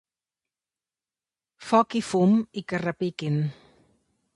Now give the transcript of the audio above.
Foc i fum, i que repiquin!